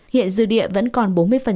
hiện dư địa vẫn còn bốn mươi